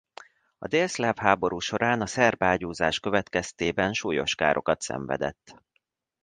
A délszláv háború során a szerb ágyúzás következtében súlyos károkat szenvedett.